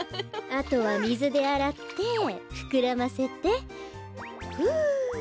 あとはみずであらってふくらませてふう！